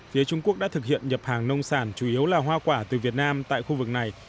phía trung quốc đã thực hiện nhập hàng nông sản chủ yếu là hoa quả từ việt nam tại khu vực này